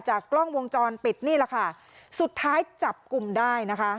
กล้องวงจรปิดนี่แหละค่ะสุดท้ายจับกลุ่มได้นะคะ